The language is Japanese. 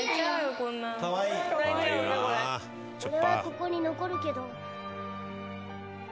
俺はここに残るけど。